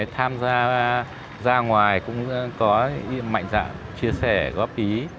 tham gia ra ngoài cũng có mạnh dạng chia sẻ góp ý